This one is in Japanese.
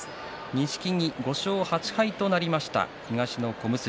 錦木は５勝８敗となりました東の小結。